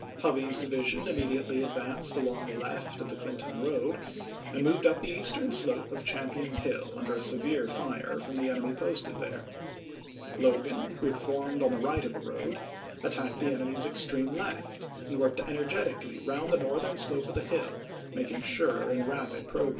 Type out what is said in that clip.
Hovey's division immediately advanced along the left of the Clinton road, and moved up the eastern slope of Champion's Hill under a severe fire from the enemy posted there. Logan, who had formed on the right of the road, attacked the enemy's ex treme left and worked energetically round the north ern slope of the hill making sure and rapid progress.